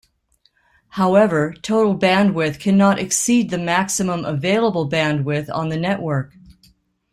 However total bandwidth cannot exceed the maximum available bandwidth on the network.